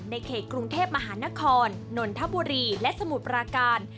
ในเขตกรุงเทพมหานครนนทบุรีและสมุทรปราการ